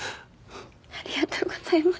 ありがとうございます。